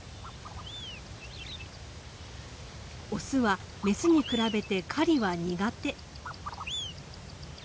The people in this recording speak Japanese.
オスはメスに比べて狩りは苦手。